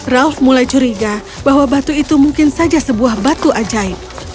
ralf mulai curiga bahwa batu itu mungkin saja sebuah batu ajaib